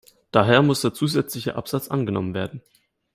Daher muss der zusätzliche Absatz angenommen werden.